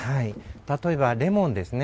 例えばレモンですね。